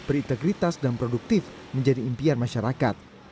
berintegritas dan produktif menjadi impian masyarakat